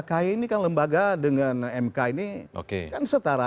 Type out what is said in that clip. kay ini kan lembaga dengan mk ini kan setara